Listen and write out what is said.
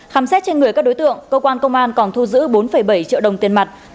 khám xét trên người các đối tượng cơ quan công an còn thu giữ bốn bảy triệu đồng tiền mặt